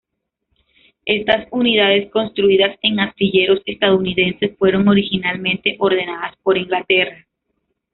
Estas unidades, construidas en astilleros estadounidenses, fueron originalmente ordenadas por Inglaterra.